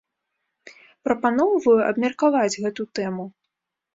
Прапаноўваю абмеркаваць гэту тэму.